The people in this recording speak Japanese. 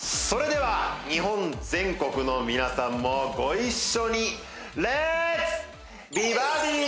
それでは日本全国の皆さんもご一緒にレッツ！